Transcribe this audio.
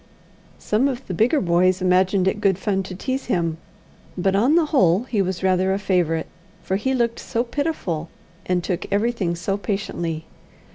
Some of the bigger boys imagined it good fun to tease him; but on the whole he was rather a favourite, for he looked so pitiful, and took everything so patiently.